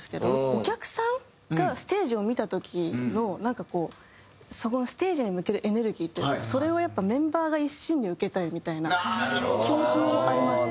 お客さんがステージを見た時のそこのステージに向けるエネルギーというかそれをやっぱメンバーが一身に受けたいみたいな気持ちもありますね。